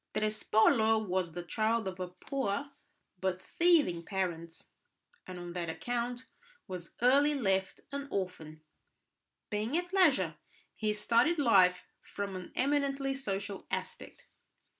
Trespolo was the child of poor but thieving parents, and on that account was early left an orphan. Being at leisure, he studied life from an eminently social aspect.